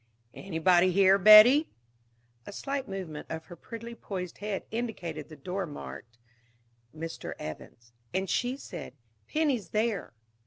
"Anybody here, Betty?" A slight movement of her prettily poised head indicated the door marked "Mr. Evans." And she said, "Penny's there."